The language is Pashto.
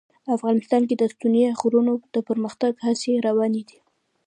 افغانستان کې د ستوني غرونه د پرمختګ هڅې روانې دي.